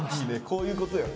こういうことよ。